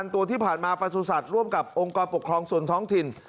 ตัวที่ผ่านมาประสุทธิ์ร่วมกับองค์กรปกครองส่วนท้องถิ่น